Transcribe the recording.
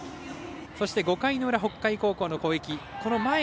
５回の裏、北海高校の攻撃。